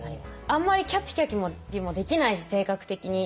あんまりキャピキャピもできないし性格的に。